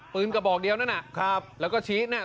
ปืนกับบอกเดียวนั่นนะครับแล้วก็ชี้นั่น